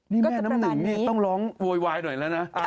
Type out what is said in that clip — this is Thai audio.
นี่แม่น้ำหนึ่งนี่ต้องร้องโวยวายหน่อยแล้วนะ